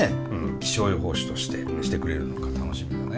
気象予報士としてしてくれるのか楽しみだね。